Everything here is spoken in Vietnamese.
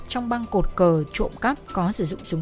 trong băng cột cờ trộm cắp có sử dụng súng k năm mươi chín